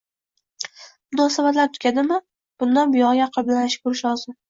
Munosabatlar tugadimi, bundan buyog`iga aql bilan ish ko`rish lozim